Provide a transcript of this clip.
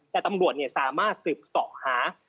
แต่ตำรวจสามารถสืบเสาะหา